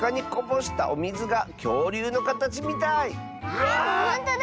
わあほんとだ。